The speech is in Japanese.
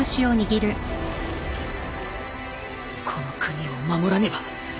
この国を守らねば。